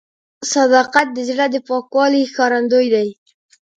صداقت د زړه د پاکوالي ښکارندوی دی.